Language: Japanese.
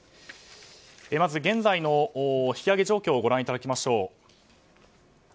まず現在の引き揚げ状況をご覧いただきましょう。